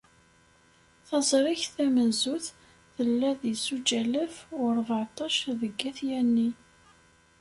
Taẓrigt tamenzut, tella deg zuǧ alaf u rbeεṭac deg At Yanni.